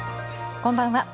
こんばんは。